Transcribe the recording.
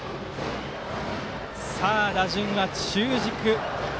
打順は中軸。